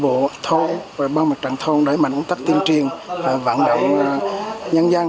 bộ thôn băng mặt trạng thôn đối mạnh tắc tiên triền vạn động nhân dân